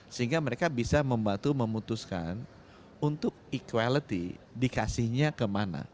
sehingga mereka bisa membantu memutuskan untuk equality dikasihnya kemana